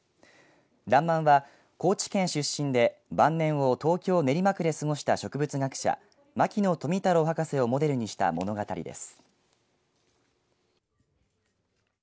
らんまんは高知県出身で晩年を東京、練馬区で過ごした植物学者、牧野富太郎博士をモデルにした物語です。